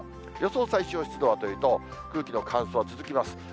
予想最小湿度はというと、空気の乾燥続きます。